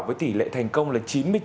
với tỉ lệ thành công là chín mươi chín chín